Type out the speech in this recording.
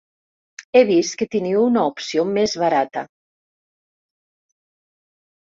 He vist que teniu una opció més barata.